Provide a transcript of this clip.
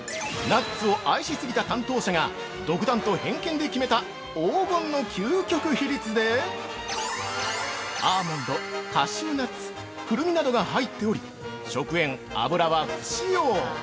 ◆ナッツを愛し過ぎた担当者が独断と偏見で決めた黄金の究極比率でアーモンド、カシューナッツクルミなどが入っており食塩・油は不使用。